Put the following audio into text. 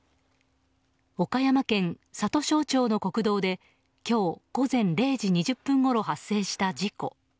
岡山県里庄町の国道で今日午前０時２０分ごろ発生した事故。